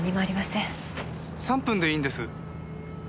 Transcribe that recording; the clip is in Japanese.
３分でいいんです。